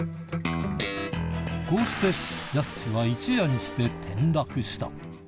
こうしてやすしは一夜にして転落した。